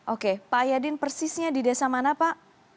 oke pak yadin persisnya di desa mana pak